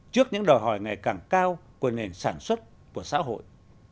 trước những đòi hỏi ngày càng cao của nền sản xuất của xã hội